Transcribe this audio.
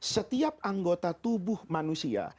setiap anggota tubuh manusia